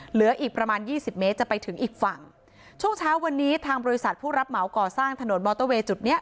เหลืออีกประมาณยี่สิบเมตรจะไปถึงอีกฝั่งช่วงเช้าวันนี้ทางบริษัทผู้รับเหมาก่อสร้างถนนมอเตอร์เวย์จุดเนี้ย